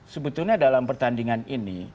sebetulnya dalam pertandingan ini